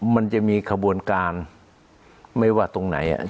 มันจะมีขบวนการไม่ว่าตรงไหน